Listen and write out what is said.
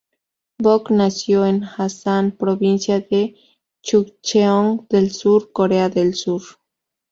Bok nació en Asan, provincia de Chungcheong del Sur, Corea del Sur.